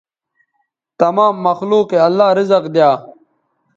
تمام مخلوق یے اللہ رزق دیا